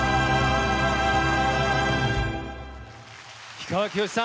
氷川きよしさん